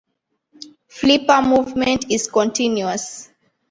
Flipper movement is continuous.